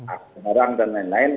akse narang dan lain lain